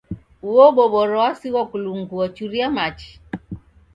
Uo boboro wasighwa kulungua churia machi